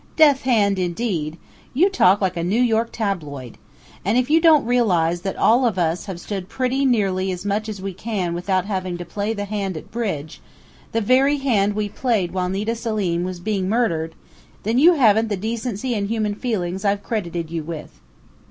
"'Death hand', indeed! You talk like a New York tabloid! And if you don't realize that all of us have stood pretty nearly as much as we can without having to play the hand at bridge the very hand we played while Nita Selim was being murdered! then you haven't the decency and human feelings I've credited you with!"